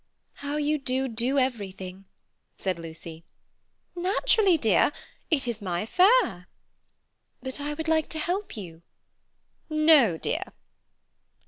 "How you do do everything," said Lucy. "Naturally, dear. It is my affair." "But I would like to help you." "No, dear."